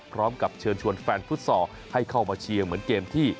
พร้อมกับเชิญชวนแฟนฟุตซอลให้เข้ามาเชียร์เหมือนเกมที่